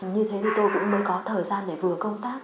như thế thì tôi cũng mới có thời gian để vừa công tác